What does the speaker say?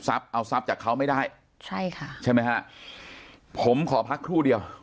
เอาทรัพย์จากเขาไม่ได้ใช่ค่ะใช่ไหมฮะผมขอพักครู่เดียว